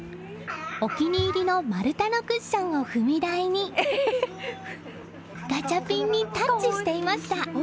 お気に入りの丸太のクッションを踏み台にガチャピンにタッチしていました。